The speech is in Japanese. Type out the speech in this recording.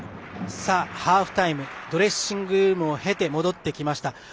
ハーフタイムドレッシングルームを経て戻ってきました。